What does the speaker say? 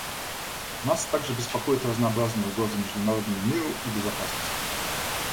Нас также беспокоят разнообразные угрозы международному миру и безопасности.